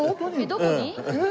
どこに？